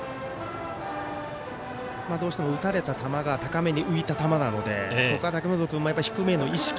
どうしても打たれた球が高めに浮いた球なのでここは、武元君も低めへの意識